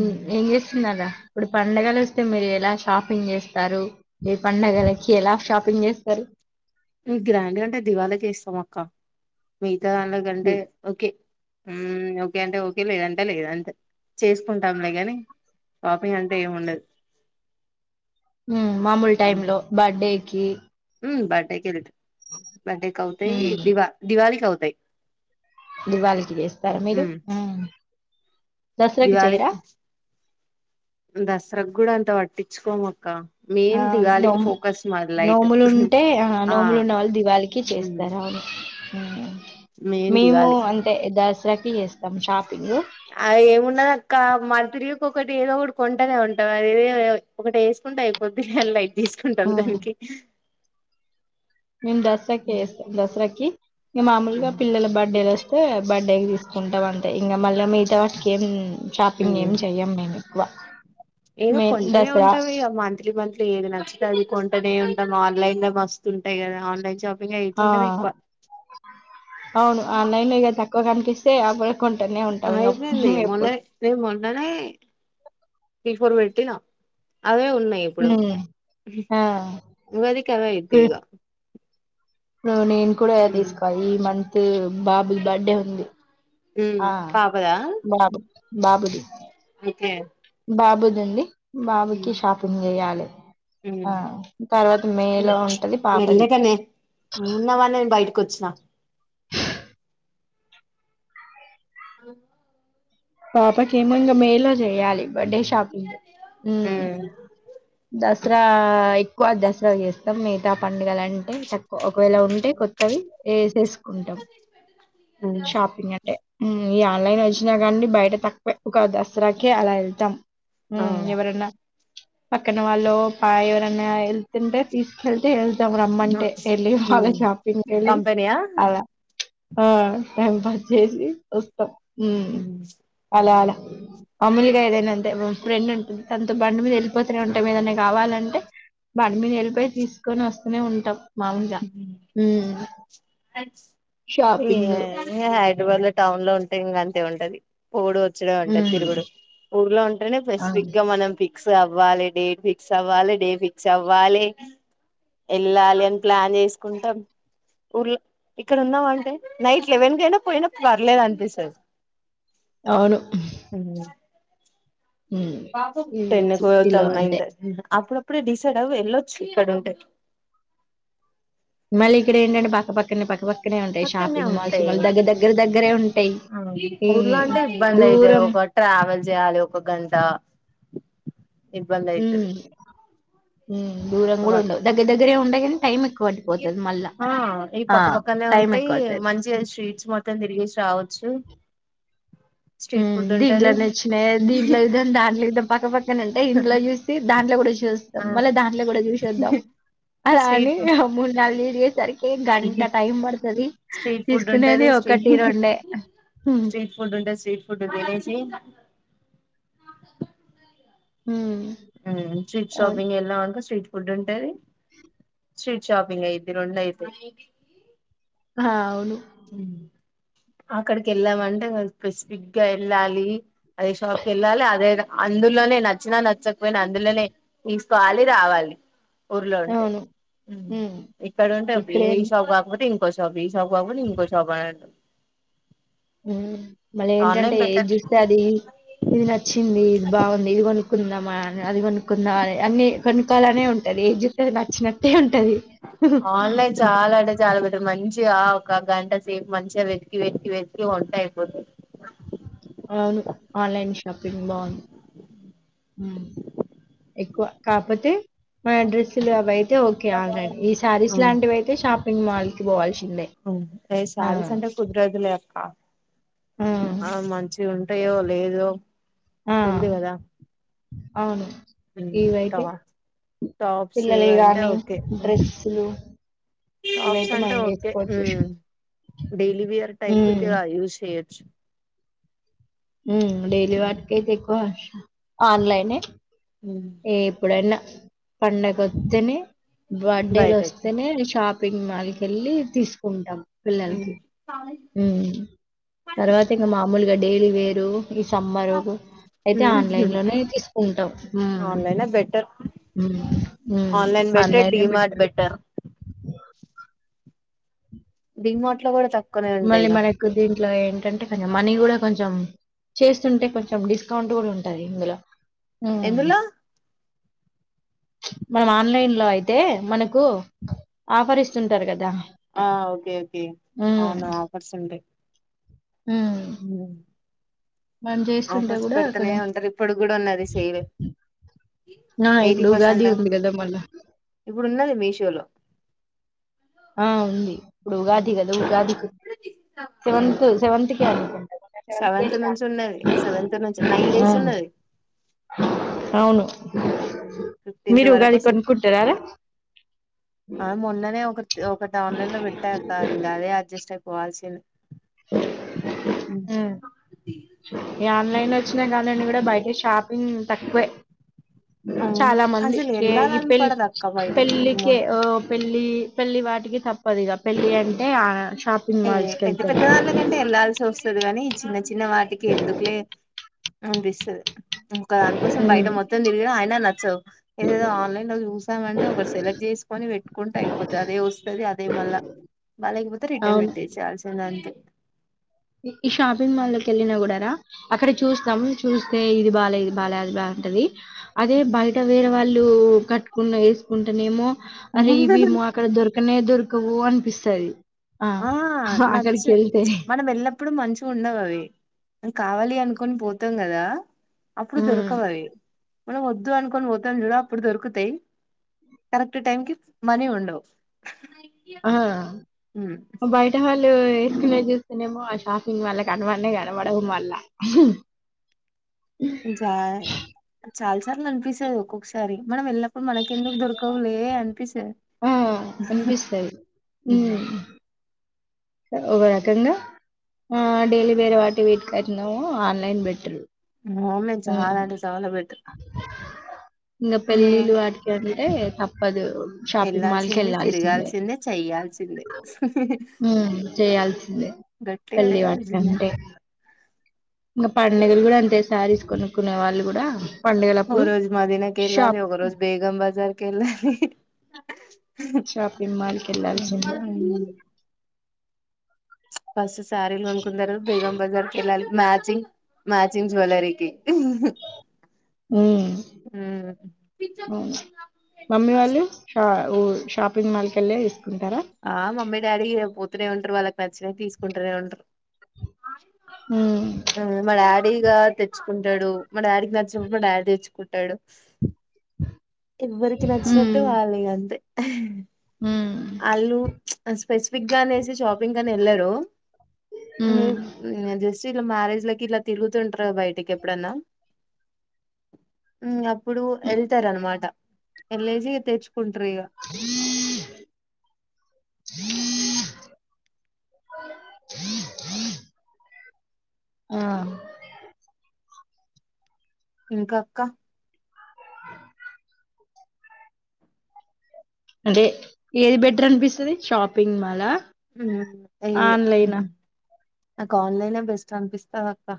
ఉమ్. ఏం చేస్తున్నారు రా ఇప్పుడు పండగలు వస్తే మీరు ఎలా షాపింగ్ చేస్తారు మీ పండగలకి ఎలా షాపింగ్ చేస్తారు గ్రాండ్ గా అంటే దివాళాకి ఎస్తాం అక్క ఉ ద [unintelligible] న్లో ఇది, కంటే ఓకే మ్మ్ ఓకే అంటే ఓకే లేదంటే లేదు అంతే చేసుకుంటాంలే కాని షాపింగ్ అంటే ఏమ్ ఉండదు హ్ మామూలు టైమ్ లో బర్డే కీ ఉ బర్డె కెళ్లిండు. బర్డే క అవుతాయి ఉమ్ దివా దివాళికి అవు తే దివాళికి వేస్తారా మీరు హ్ దసరాకి దివాళి చేయారా దసరాకు గుడా అంతా పట్టించుకోము అక్క ఆ మెయిన్ నో దివాళికి ఫోకస్ మాది లైట్ నోములు ఉంటే ఆహా ఆ నోములు ఉన్నవాళ్ళు దివాళికి చేస్తారు. అవును హ్ మెయిన్ మేము దివాళి అంటే దస్ త్రకిీ చేస్తం షాప్ అ ఏమున్నాది అక్క మ తిరిగి ఒకటి ఏదో ఒకటి కొంటనే ఉంటాం. ఆది అది ఏదే ఒకటి వేసుకుంటే అయిపోద్ది అలై తీసుకుంటాం ఉమ్ దానికి మేము దసరాకి ఏస్తాం. దసరాకి మామూలుగా పిల్లల బర్త్డేలు వోస్తే బర్త్డేకి తీస్ కొంటాం అంతే ఇంకా మళ్ళీ మిగతా వాటికి ఏం షాపింగ్ ఏం చెయ్యం మేము ఎక్కువ ఏదో మెయిన్ కొంటనే దసరా ఉంటం. ఇగ మంత్లీ మంత్లీ ఏది నచ్చతే అది కొంటనే ఉంటాం. ఆ న్లైన్ల మస్తు ఉంటాయి. కదా ఆన్లైన్ షాపింగ్ ఆ అయితుంటది ఎక్కువ అవును ఆ ఆన్లైన్లో ఇగ తక్కువ క్కువ కనిపిస్తే ఆగ్గువ అయిపోయింది. మొన్న మేం మొన్ననే త్రీ ఫోర్ పెట్టిన అవే ఉన్నాయి ఇప్పుడు ఉమ్ ఆ ఉగాది కి అవి అయితే ఇగా అవునేమ్ కూడా తీసుకయి మం తేమ్ బాబుది బర్డే ఉంది. ఉమ్. ఆ బాబు బాబుది అయితే బాబుదండి. బాబుకి షాపింగ్ జేయాలి. ఉమ్ ఆ తర్వాత మే లో ఉంటది. పాపది కొచ్చిన అ పాపకి ఏమో ఇంగ మేలో జేయాలి. బర్త్డే షాపింగ్ దస్ ఉమ్ దసరా ఎక్కువ దసరా జేస్తాం మిగతా పండుగలంటే తక్కువ ఒకవేళ ఉంటే కొత్తవి వే కుంటం ఉమ్. షాపింగ్ అంటే ఈ ఆన్లైన్ వచ్చిన కాడి బయట తక్కువ ఒక దసరాకే అలా వెళ్తాం ఉ ఆ ఎవరన్న పక్కన వాళ్ళు పాయ ఎవరన్నా వెళ్తుంటే తీసుకెళ్తే వెళ్తు రమ్మంటే యెళ్ళి వాళ్ళ ఉమ్ షాపింగ్ వెళ్ళి కంపెనీయా అలా ఆ టైం పాస్ చేసి వస్తాం హ్మ్ ఉమ్ అలా అలా మామూలుగా ఏదైనా అంతే ఫ్రెండ్ ఉంటుంది తనతో బండి మీద వెళ్ళిపోతూనే ఉంటాం ఏదైనా కావాలంటే బండిమీద వెళ్ళిపోయి తీసుకొని వస్తూనే ఉంటాం మాములుగా షాపింగ్ హబాద్ లో టౌన్ లో ఉంటే ఇంకా అంతే ఉంటది పోడు వచ్చుడు ఉంటాయి ఉమ్ తిరుగుడు ఊర్లో ఉంటేనే ఆ స్పెసిఫిక్ గా మనం పి ఫిక్స్ అవ్వాలి డేట్ ఫిక్స్ అవ్వాలి డే ఫిక్స్ అవ్వాలి ఎళ్ళాలి ప్లాన్ జేసుకుంటాం ఊర్లో ఇక్కడ ఉందాం అంటే నైట్ లెవెన్ కైనా పోయినా పర్లేదు అనిపిస్తాది అవును ఉ ఉమ్ బాపు ఈ టెన్ కు సిటీలో పోతాం అంతే నైట్ అప్పు ఇప్పుడే డిసైడ్ అవ్వు యెళ్ళొచ్చు ఇక్కడ ఉంటే మళ్ళీ ఇక్కడ ఏంటంటడి పక్క పక్కనే పక్క పక్క పక్కన్నే ఉంటాయి దగ్గరే ఉంటాయి ఆ ఈ ఊర్లో అంటే ఇబ్బంది అయితది దూరం ఒక ట్రావెల్ చేయాలి ఒక గంట ఇబ్బంది అయితది ఉ దురం గూడా ఉండవు దగ్గ దగ్గర ఉంటాయి కానీ టైం ఏక్ ఆ ఈ పక్కపక్కనే టైం ఉంటాయి ఎక్కువ పడతది మంచిగా స్వీట్స్ మొత్తం తిరిగేసి రావచ్చు ఉ స్ట్రీట్ ఫుడ్ దీంట్లో ఉంటది నచ్చినయి దీంట్లో ఏదాం దాంట్లో ఏదాం పక్కపక్క న ఇంట్లో జూసి దా అందులో కూడా చు చూస్తాం ఆ మళ్ళ దాంట్లో గూడా చూసేద్దాం అలా స్ట్రీట్ అని ఫుడ్ మూడు నాలుగు వీడియోస్ ఏ గంటా టైమ్ బడతది స్ట్రీట్ ఫుడ్ ఉంటది స్ట్రీ హ్మ్. స్ట్రీట్ ఫుడ్ ఉంటది స్త్రీట్ ఫుడ్ తినేసి ఊ హ్ స్త్రీట్ షాపింగ్ ఎల్లామనుకో స్ట్రీట్ ఫుడ్ ఉంటది స్ట్రీట్ షాపింగ్ అయిద్ది రొండు అయితయి. ఆ అవును అక్కడికి ఎళ్ళామంటే మల్లి స్పెసిఫిక్ గా ఎళ్ళాలి. అదే షాప్కెల్లాలి అదే ద అందులోనే నచ్చినా నచ్చక్ పోయిన అందులోనే తీసుకోవాలి రావాలి ఊర్లో ఉంటే. అవును. హ్మ్. ఇక్కడ ఉంటే ఇక్కడేం ఈ షాప్ కాకపోతే ఇన్ ఇంకో షాప్ ఈ షాప్ కాకపోతే ఇంకో షాప్ అనన్టం హ్ మళ్ళీ ఏంటంటే, ఏది బెటర్ చూస్తే అది ఇది నచ్చింది ఇది బావుంది ఇది కొనుకున్దాం. మా అది కొనుకున్నా అని అన్ని కొనుక్కోవాలనే ఉంటది. ఏది చూత్తే అది నచ్చినట్టే ఉన్ ఆన్లైన్ చాలా అంటె చాలా పెద్ద మంచి జిగ ఆ ఒక్క గంట సేపు మంచిగా వెతికి వెతికి వెతికి వొంటె అయిపోతది. అవును ఆన్లైన్ షాపింగ్ బాన్ ఉమ్ ఎక్కువ కాకపోతే మా డ్రస్సులు అవై తే ఓకె ఆల్రడీ ఈ శారీస్ అవును లాంటివి అయితే షాప్ పింగ్ మాల్ కి పోవాల్షి అవును ఈ శారీ సెంటర్ కొద్ది రోజులే అక్కా ఆ మంచి ఉంటాయో లేదో ఆ! తెల్దు కదా! అవును హు ఇవైతే టాప్ టాప్స్ పిల్లలయి అంటె గానీ, ఓకె ఉం డ్రెస్సులు టాప్స్ ఇవైతే అంటె మనం ఓకె తీసుకోవచ్చు. ఉమ్ డైలీ వియర్ టైప్ కె హ్మ్. గా యూస్ చెయచ్చు. ఉం డైలీ వాట్కైతె ఎక్కువ ఆన్లైనె ఉమ్ ఏ ఎప్పుడన్న పండగోత్తేనె బయటకి బర్త్డేలొస్తేనే ఇ షాప్ షాపింగ్ మాల్ కెళ్ళి తీసుకుంటాం. ఉమ్ పిల్లలకి ఉం తర్వాత ఇంగ మామూలుగా డైలీ గ్లో ఈ సమ్మరు అయితే ఆన్లైన్ లోనే తీసుకుంటాం ఆన్లైనే బెటర్ ఆన్లైన్ బెటర్ ఆన్లైనె డిమార్ట్ బెట్టరు. బెటర్ ఢి మార్ట్ లొ కుడ త మళ్ళీ మనకు దీంట్లో ఏంటంటే కొంచెం మనీ కూడ కొంచెం కొంచెం చేస్తుంటే కొంచెం డిస్కౌంట్ కూడ ఉంటది ఇందులో ఆ ఎందులో మనం ఆన్లైన్ లో అయితే మనకు ఆఫర్ ఇస్తుంటారు కదా ఆ ఓకే ఓకే ఉమ్ అవునా పర్సెంటే ఉమ్ ఉమ్ మనం చేస్తుంటే ఆఫర్స్ కూడా పెడుతనే కొంచెం ఉంటారు ఇప్పుడు కూడా ఉన్నది సేల్ ఆ ఎయిటీ ఇప్పుడు ఉగాది పర్సెంటేనా ఉంది కదా మళ్ళా ఇప్పుడు ఉన్నది మీ షో లో ఆ ఉంది ఇప్పుడు ఉగాది కదూ ఉగాది [unintelligible] సెవెంత్ సెవెంత్ [unintelligible] సెవెంత్ నుంచి ఉన్నది సెవెన్త్ నుంచి నైన్ డేస్ స్టార్ట్ ఉన్నది అవును ఉమ్ ఫిఫ్టీంత్ మీరు వరకు ఉగాది సి కొనుక్కుంటారారా ఆ మొన్ననే తె ఒకటి ఆన్లైన్ లో పెట్టాక ఇంకా అదే అడ్జస్ట్ అయిపోవాల్సిన్ అ ఈ ఆన్లైన్ లొచ్చినకాడనుండి కూడా బయట షాపింగ్ తక్కువే అవును చాలా మంది అసలు ఏం ఈ వెళ్ళాలని పెళ్ళ్ పడదు అక్క బయటకి పెళ్ళికే ఓ పెళ్ళి పెళ్లి వాటికి తప్పదిగ పెళ్ళి అంటే ఆన షాప్ ఏయ్యె పెద్ద పెద్ద దాన్లకంటే ఏళ్లాల్సొస్ స్తది కాని చిన్న చి చిన్న వాటికి ఎందుకులే అనిపిస్తది ఇంకా దానికోసం బయట మొత్తం తిరిగిన ఆయిన నచ్చవు ఇదేదో ఆన్లైన్ లో చూసామంటే ఒకటి సెలెక్ట్ చేసుకొని పెట్టుకుంటే అయిపోతాది అదే వస్తది అదే మళ్ళ బాలేకపోతే రిటర్న్ అవును పెట్ కాల్సిందంతే ఈ షాపింగ్ మాల్ లో కెళ్ళినా కూడా రా అక్కడ చూస్తాం చూస్ తే ఇది బాలే ఇది బాలే అది బావుంటది అదే బయట వేరే వాళ్ళు టూ కట్టుకున్న వేసుకుంటెనేమో అరే ఇవి మా కాడ దొరు క్కనే దొరకవు అనిపిస్తది ఆ అక్కడికి నచ్చిన వెళ్తే మనం వెళ్న ప్పుడు మంచిగుండవ్ అవి మనం కావాలి అనుకొని పోతాం కదా అప్పుడు ఉమ్ దొరకవవి మనం వద్దు అనుకొని పోతాం చూడు అప్పుడు దొరుకుతాయి కరెక్ట్ టైం కి మనీ ఉండవు ఆ హ్మ్ బయట వాళ్ళు ఏస్కునేది చూస్తనేమో ఆ షాపింగ్ మాళ్ళ కనబడనే కనబడవు మల్ల హ్ జా చాలా సార్లు అనిపిస్తది ఒక్కొక్కసారి మనం వెళ్ళినప్పుడు మనకెందుకు దొరకవులే అనిపిస్త ఆ అనిపిస్తది మ్మ్ ఒక రకంగా ఆ డైలీ వేరే వాటి వీటికైతనేమో ఆన్లైన్ బెట్ అవును [inaudible] మ్మ్ చాలా అంటే చాలా బెటర్ ఇంగ నే పెళ్ళిళ్ళు వాటికి అంటే తప్ పదు షాపింగ్ మాల్ వెళ్లాల్సింది కెళ్ళాల్సిందే తిరగాల్సిందే చెయ్యాల్సిందే మ్మ్ చేయాల్సిందే గట్టిగా పెళ్ళి చేయాల్సిందే వాటికంటే ఇంక పండుగలు కూడ అంతే శారీస్ కొనుక్కునే వాళ్ళు కూడా ఒక పండుగలప్పుడు రోజు మదీన కెళ్ళాలి షాప్ ఒక రోజు బేగం బజార్ కెళ్ళాలి షాపింగ్ మాల్ కి ఎల్లల్సిందే [inaudible] ఫస్ట్ సారీలు అనుకున్నారుా బేగం బజార్కి వెళ్ళాలి మ్యాచింగ్ మ్యాచింగ్ జువెలరీకి ఉమ్ అవును మమ్మీ వాళ్ళు ఆ ఊ షాపింగ్ మాల్ కెళ్ళే ఇస్త ఆ మమీ డాడీ పోతూనే ఉంటరు వాళ్ళకి నచ్చినవి తీసుకుంటూనే ఉంటరు ఉమ్ అ మా డాడీ ఇగా తెచ్చుకుంటడు మా డాడికి నచ్చినప్పుడు మా డాడీ తేచ్చుకు టడు ఎవ్వరికి ఉమ్ నచ్చినట్టు వాళ్ళే ఇగ అంతే ఉమ్ ఆళ్ళు స్పెసిఫిక్ గా అనేసి షాపింగ్కని ఎళ్ళరు ఉమ్ జస్ట్ ఇట్ల మ్యారేజ్లకి ఇలా తిరుగుతుంటారు బయటికి ఎప్పుడన్నా ఇప్పుడు ఎళ్తరు అనమాట ఎల్లేసి తెచ్చు కుంటరిగ [inaudible] ఆ ఇంకా అక్క అంటే ఏది బెటర్ అనిపిస్తది షాపింగ్ మాలా హ ఏ హు ఆన్లైనా నాకు ఆన్లైనే బెస్ట్ అనిపిస్తది అక్క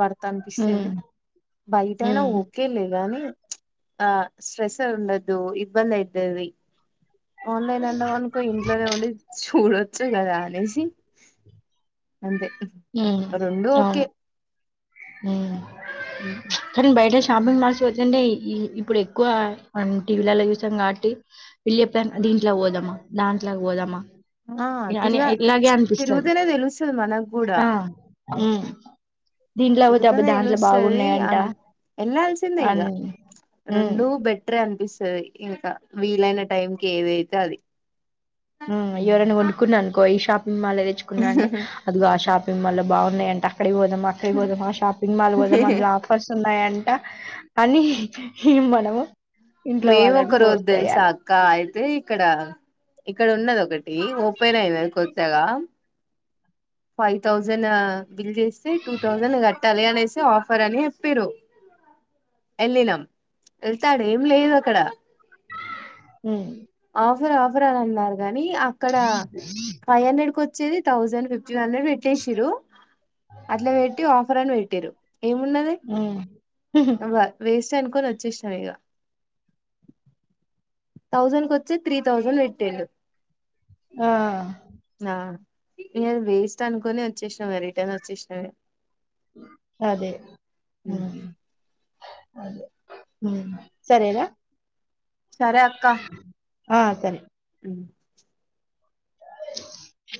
వర్త్ అనిపిస్తది ఉమ్ బయట అయినా ఉమ్ ఓకేలే గాని ఆ స్ట్రెస్సే ఉండద్దు ఇబ్బంది అయితది ఆన్లైన్ అండం అనుకో ఇంట్లోనే ఉండి కూడొచ్చు కదా అనేసి అంతే రొండు ఓకే మ్ కాని బయట షాపింగ్ మాల్స్ పోతుండే ఈ ఇప్పుడు ఎక్కువ మనం టీవీలల్ల చూసినం కావట్టి వీళ్ళు చెప్పే దీంట్ల వోదామా దాంట్లకి వోదామా ఆ తిరగా తిరుగుతనే తెలుస్తది మనకు కూడా ఉ ఇదు తదే తెలుస్తది ఎళ్లాల్సిందే ఇగ అని హ్మ్. రెండు బెట్రే అం పిస్తది ఇంకా వీలైన టైం కి ఏదైతే అది ఉమ్ ఎవరన్న కొనుక్కున్నానుకో ఈ షాపింగ్ మాల్ ల తెచ్చుకున్నా అంటే అదిగో ఆ షాప్ మిమ్మల బాగున్నాయంట ఇక్కడికి పోదామా అక్కడికి పోదమా షాపింగ్ మాల్ పోదామా అందులో ఆఫర్స్ ఉన్నాయా అంట పని హి మనము ఇంట్లో మేము ఒక వాళ్ళని రోజు ఫోర్స్ దేలుస చేయాలి. అక్క అయితే ఇక్కడ ఇక్కడ ఉన్నది ఒకటి ఓపెన్ అయినది కొత్తగా ఫైవ్ తౌసెన్ బిల్ చేస్తే టూ థౌజన్ కట్టాలే అనేసి తే ఆఫర్ అని చెప్పిరు ఎళ్లినం ఎళ్తే అడెం లేదు అక్కడ ఉమ్ ఆఫర్ అనీ అన్నారు గాని మీ అక్కడ ఫైవ్ హండ్రెడ్ కు వచ్చేది థౌసండ్ ఫిఫ్టీన్ హండ్రెడ్ పెట్టేషిరు అట్లా పెట్టి ఆఫర్ అని వేట్టిరు ఏమున్నది హ్మ్ అవ వేస్ట్ చనుకోని వచ్చేషిన ఇగా థౌజండ్ కు వచ్చేది త్రీ థౌజండ్ వెట్టిండు అ ఇగ అది వేస్ట్ అనుకొని వచ్చేసినాం ఇగ రిటర్న్ వచ్చేసినాము అదే మ్మ్ మ్మ్ సరే రా సరే అక్క ఆ సరే మ్మ్